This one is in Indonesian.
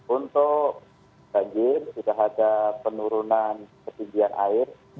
untuk banjir sudah ada penurunan ketinggian air